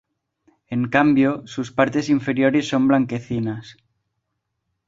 En cambio, sus partes inferiores son blanquecinas.